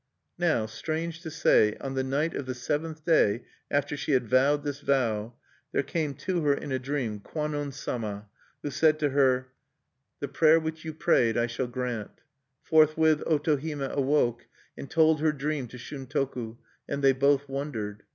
Now, strange to say, on the night of the seventh day after she had vowed this vow, there came to her in a dream Kwannon Sama who said to her: "The prayer which you prayed I shall grant." Forthwith Otohime awoke, and told her dream to Shuntoku, and they both wondered.